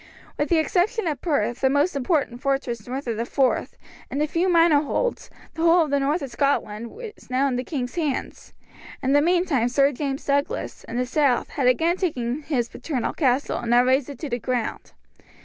With the exception of Perth, the most important fortress north of the Forth, and a few minor holds, the whole of the north of Scotland, was now in the king's hands. In the meantime Sir James Douglas, in the south, had again taken his paternal castle and had razed it to the ground.